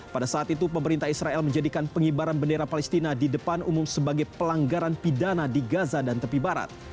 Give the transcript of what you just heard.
pada saat itu pemerintah israel menjadikan pengibaran bendera palestina di depan umum sebagai pelanggaran pidana di gaza dan tepi barat